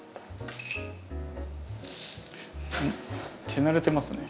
手慣れてますね。